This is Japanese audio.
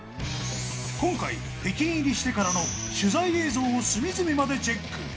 今回、北京入りしてからの取材映像を隅々までチェック。